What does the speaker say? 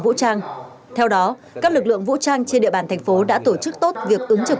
vũ trang theo đó các lực lượng vũ trang trên địa bàn thành phố đã tổ chức tốt việc ứng trực